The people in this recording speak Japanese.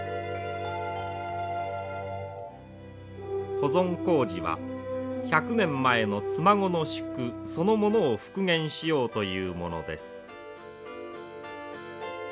保存工事は１００年前の妻籠宿そのものを復元しようというものです。